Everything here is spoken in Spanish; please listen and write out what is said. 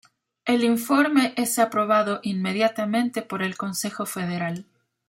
El informe es aprobado inmediatamente por el Consejo Federal.